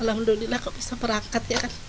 alhamdulillah kok bisa berangkat ya kan